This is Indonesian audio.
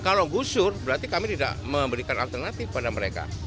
kalau gusur berarti kami tidak memberikan alternatif pada mereka